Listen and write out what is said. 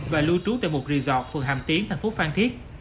và lưu trú tại một resort phường hàm tiến tp phan thiết